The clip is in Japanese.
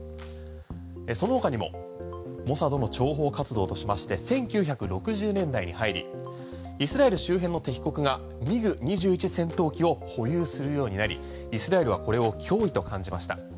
その他にもモサドの諜報活動としまして１９６０年代に入りイスラエル周辺の敵国がＭｉＧ２１戦闘機を保有するようになりイスラエルはこれを脅威と感じました。